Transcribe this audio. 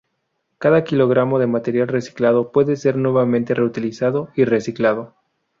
Cada kilogramo de material reciclado puede ser nuevamente reutilizado y reciclado.